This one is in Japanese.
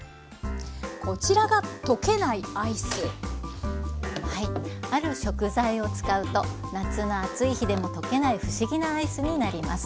こちらがある食材を使うと夏の暑い日でも溶けない不思議なアイスになります。